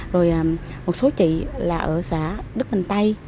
rồi một số chị là ở xã đức bình tây